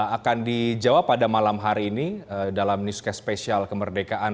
akan dijawab pada malam hari ini dalam newscast spesial kemerdekaan